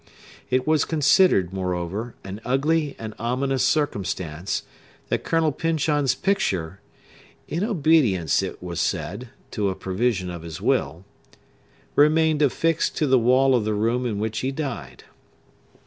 It was considered, moreover, an ugly and ominous circumstance, that Colonel Pyncheon's picture—in obedience, it was said, to a provision of his will—remained affixed to the wall of the room in which he died.